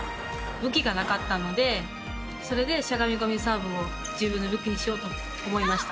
武器がなかったのでそれでしゃがみ込みサーブを自分の武器にしようと思いました。